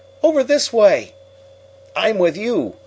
"Over this way!" "I'm with you!"